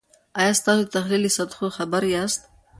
آیا تاسو د تحلیل له سطحو خبر یاست؟